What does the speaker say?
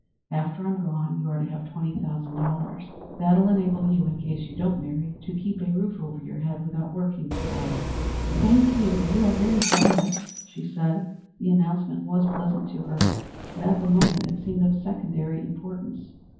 After I'm gone you are to have twenty thousand dollars. That'll enable you, in case you don't marry, to keep a roof over your head without working too hard." "Thank you. You are very generous," she said. The announcement was pleasant to her, but at the moment it seemed of secondary importance.